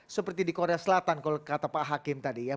seperti di korea selatan kalau kata pak hakim tadi ya